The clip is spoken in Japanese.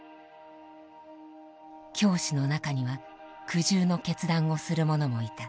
教師の中には苦渋の決断をする者もいた。